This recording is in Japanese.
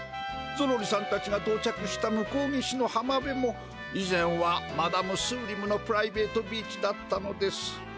ゾロリさんたちがとうちゃくした向こう岸のはまべもいぜんはマダムスーリムのプライベートビーチだったのです。